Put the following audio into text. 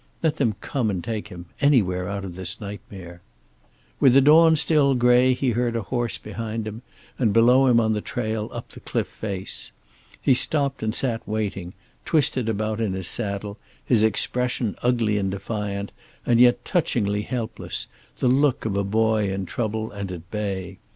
Let them come and take him, anywhere out of this nightmare. With the dawn still gray he heard a horse behind and below him on the trail up the cliff face. He stopped and sat waiting, twisted about in his saddle, his expression ugly and defiant, and yet touchingly helpless, the look of a boy in trouble and at bay.